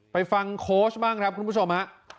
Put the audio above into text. ไปฟังโค้ชบ้างครับคุณผู้ชมฮะ